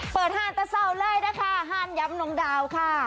เปิดห้านแต่เศร้าเลยนะคะห้านยำนมดาวค่ะ